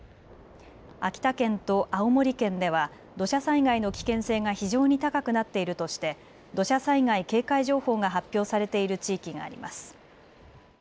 秋田県と青森県では土砂災害の危険性が非常に高くなっているとして土砂災害警戒情報が発表されている地域があります。